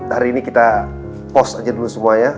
hari ini kita pos aja dulu semuanya